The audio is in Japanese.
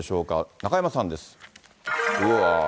中山さんです。